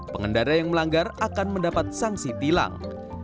pengendara yang melanggar akan mendapat sanksi tilang